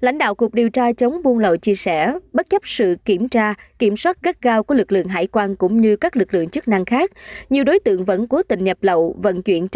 lãnh đạo cục điều tra chống buôn lậu tổng cục hải quan cho hay